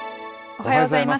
おはようございます。